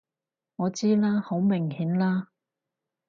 我知啦！好明顯啦！